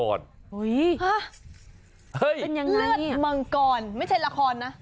โอ้ยฮะเป็นยังไงเลือดมังกรไม่ใช่ละครนะ